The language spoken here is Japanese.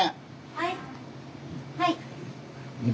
はい。